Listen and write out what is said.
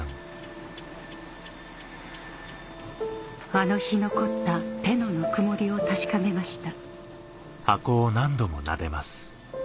あの日残った手のぬくもりを確かめました